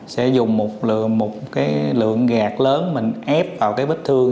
sẽ dùng một lượng gạt lớn mình ép vào cái bếp thương